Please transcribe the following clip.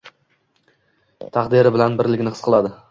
Taqdiri bilan birligini his qiladi.